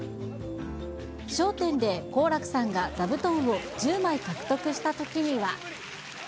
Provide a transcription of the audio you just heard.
笑点で好楽さんが座布団を１０枚獲得したときには。